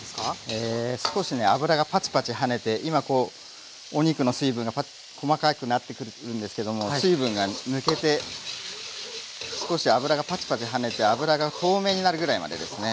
え少しね脂がパチパチはねて今こうお肉の水分が細かくなってくるんですけども水分が抜けて少し脂がパチパチはねて脂が透明になるぐらいまでですね。